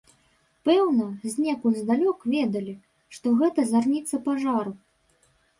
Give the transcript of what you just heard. Пэўна, знекуль здалёк ведалі, што гэта зарніца пажару.